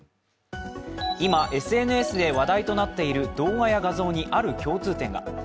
今、ＳＮＳで話題となっている動画や画像にある共通点が。